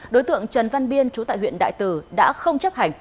đối tượng trần văn biên chú tại huyện đại từ đã không chấp hành